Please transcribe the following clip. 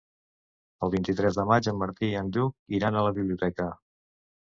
El vint-i-tres de maig en Martí i en Lluc iran a la biblioteca.